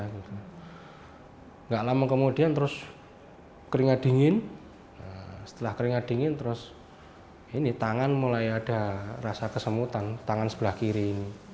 tidak lama kemudian terus keringat dingin setelah keringat dingin terus ini tangan mulai ada rasa kesemutan tangan sebelah kiri